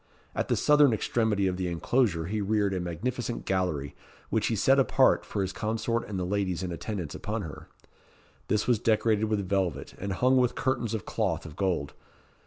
At the southern extremity of the inclosure he reared a magnificent gallery, which he set apart for his consort and the ladies in attendance upon her. This was decorated with velvet, and hung with curtains of cloth of gold.